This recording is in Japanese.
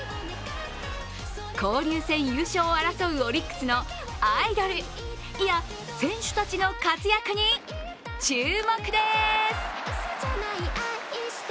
交流戦優勝を争うオリックスのアイドル、いや、選手たちの活躍に注目です。